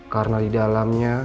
karena di dalamnya